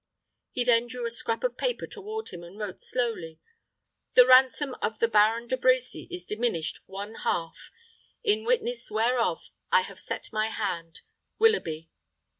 He then drew a scrap of paper toward him, and wrote slowly, "The ransom of the Baron De Brecy is diminished one half. "In witness whereof I have set my hand. "WILLOUGHBY."